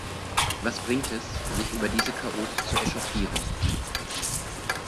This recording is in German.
Was bringt es, sich über diese Chaoten zu echauffieren?